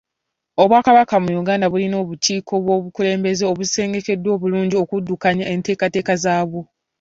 Obwakabaka mu Uganda bulina obukiiko bw'obukulembeze obusengekeddwa obulungi okuddukanya enteekateeka zaabwo.